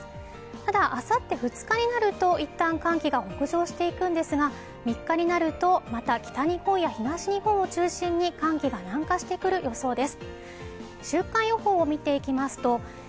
ただ、あさって２日になると一旦、寒気が北上していくんですが３日になるとまた東日本や北日本を中心に、中心に寒気が南下してくる予想です。